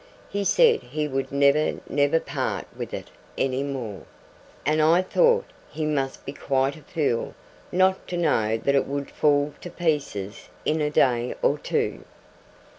He said he would never, never part with it any more; and I thought he must be quite a fool not to know that it would fall to pieces in a day or two.